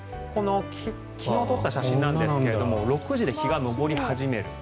昨日撮った写真なんですが６時で日が昇り始める。